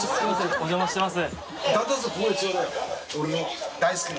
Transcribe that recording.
お邪魔してます